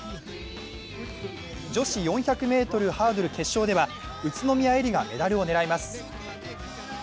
女子４００ｍハードル決勝では宇都宮絵莉がメダルを狙います。